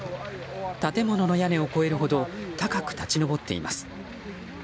建物の屋根を越えるほど高く立ち上っています。